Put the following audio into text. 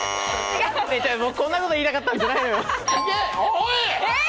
こんなこと言いたかったんじゃないのよ。